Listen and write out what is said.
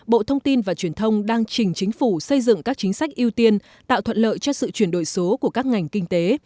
bộ thông tin và truyền thông đang trình chính phủ xây dựng các chính sách ưu tiên tạo thuận lợi cho sự chuyển đổi số của các ngành kinh tế